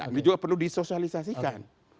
ini juga perlu disosialisasikan